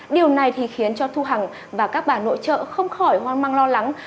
điều này thì khiến cho thu hằng và các bà nội trợ không khỏi hoang mang lo lắng